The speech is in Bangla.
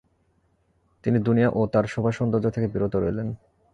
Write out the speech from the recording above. তিনি দুনিয়া ও তার শোভা-সৌন্দর্য থেকে বিরত রইলেন।